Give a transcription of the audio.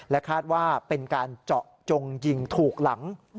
คาดว่าเป็นการเจาะจงยิงถูกหลัง